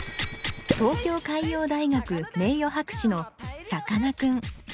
東京海洋大学名誉博士のさかなクン